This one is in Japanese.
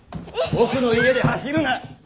僕の家で走るなッ！